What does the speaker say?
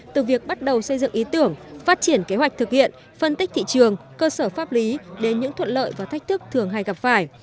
từ việc bắt đầu xây dựng ý tưởng phát triển kế hoạch thực hiện phân tích thị trường cơ sở pháp lý đến những thuận lợi và thách thức thường hay gặp phải